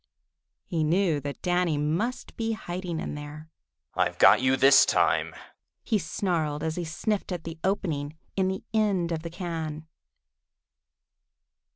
He knew that Danny must be hiding in there. "I've got you this time!" he snarled, as he sniffed at the opening in the end of the can.